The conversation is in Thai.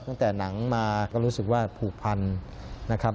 ตั้งแต่หนังมาก็รู้สึกว่าผูกพันนะครับ